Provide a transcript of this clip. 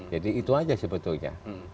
jadi itu aja sebetulnya